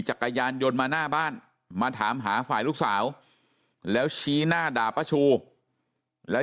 จักรยานยนต์มาหน้าบ้านมาถามหาฝ่ายลูกสาวแล้วชี้หน้าด่าป้าชูแล้ว